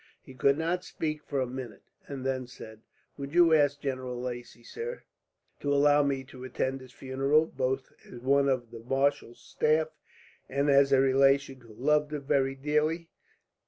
He could not speak for a minute, and then said: "Would you ask General Lacy, sir, to allow me to attend his funeral, both as one of the marshal's staff and as a relation, who loved him very dearly?